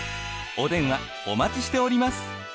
お電話お待ちしております。